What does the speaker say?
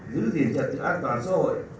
giữ gìn trật tự an toàn xã hội